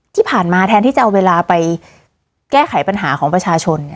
ที่ผ่านมาแทนที่จะเอาเวลาไปแก้ไขปัญหาของประชาชน